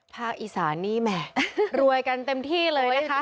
อีสานนี่แหมรวยกันเต็มที่เลยนะคะ